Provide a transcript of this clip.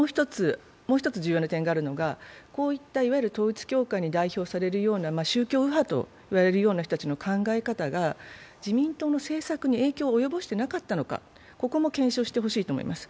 もう一つ重要な点があるのが、統一教会に代表されるような宗教右派と言われるような人たちの考え方が自民党の政策に影響を及ぼしていなかったのか、ここも検討してほしいと思います。